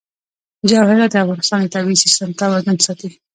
جواهرات د افغانستان د طبعي سیسټم توازن ساتي.